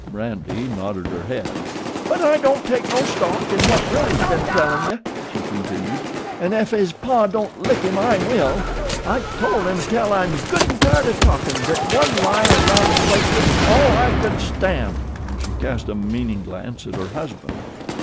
M'randy nodded her head. "But I don't take no stock in what Willie's ben tellin' ye," she continued, "'n' ef his paw don't lick him I will. I told him tell I'm good an' tired o' talkin' thet one liar 'round a place wuz all I could stand," and she cast a meaning glance at her husband.